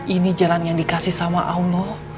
ini jalan yang dikasih sama allah